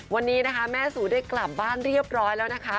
วันนี้นะคะแม่สูได้กลับบ้านเรียบร้อยแล้วนะคะ